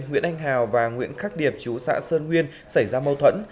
nguyễn anh hào và nguyễn khắc điệp chú xã sơn nguyên xảy ra mâu thuẫn